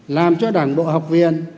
làm cho đảng bộ học viện